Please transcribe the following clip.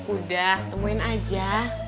udah temuin aja